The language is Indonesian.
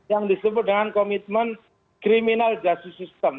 yang disebut dengan komitmen criminal justice system